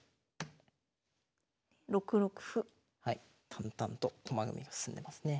淡々と駒組みが進んでますね。